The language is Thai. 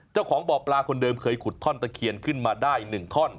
เจ้าของบ่อปลาคนเดิมเคยขุดท่อนตะเคียนขึ้นมาได้๑ท่อน